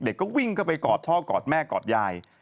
ก็วิ่งเข้าไปกอดพ่อกอดแม่กอดยาย